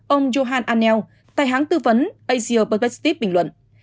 ông johan arnell tài hãng tư vấn asia project steve bình luận